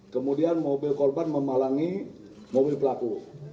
kemudian mobil korban memalangi mobil pelaku